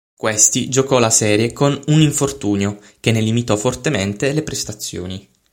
Questi giocò la serie con un infortunio che ne limitò fortemente le prestazioni.